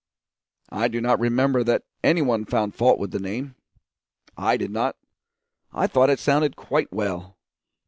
I do not remember that any one found fault with the name. I did not; I thought it sounded quite well.